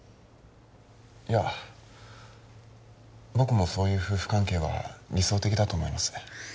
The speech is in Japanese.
いや僕もそういう夫婦関係は理想的だと思います